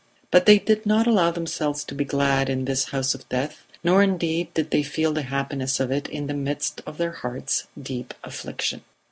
But they did not allow themselves to be glad in this house of death, nor indeed did they feel the happiness of it in the midst of their hearts' deep affliction.